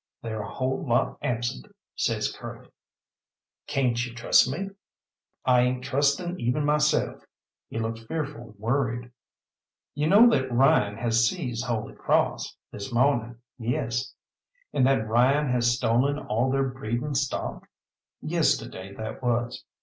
"They're a whole lot absent," says Curly. "Cayn't you trust me?" "I ain't trusting even myself." He looked fearful worried. "You know that Ryan has seized Holy Cross?" "This mawning, yes." "And that Ryan has stolen all their breeding stock?" "Yesterday that was."